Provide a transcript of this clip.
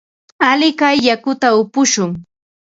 Alikay yakuta upushun.